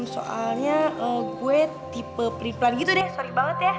soalnya gue tipe periplan gitu deh sorry banget ya